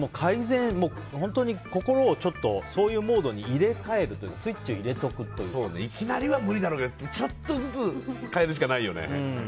本当に心をそういうモードに入れ替えるというかいきなりは無理だろうけどちょっとずつ変えるしかないよね。